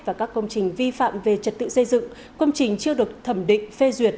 và các công trình vi phạm về trật tự xây dựng công trình chưa được thẩm định phê duyệt